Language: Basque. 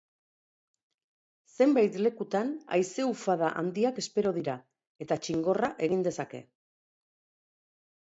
Zenbait lekutan haize ufada handiak espero dira, eta txingorra egin dezake.